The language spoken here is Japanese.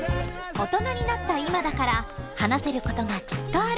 オトナになった今だから話せることがきっとある。